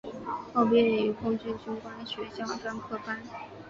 后毕业于空军军官学校专科班。